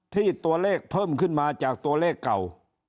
ที่ตัวเลขเพิ่มขึ้นมาจากตัวเลขเก่า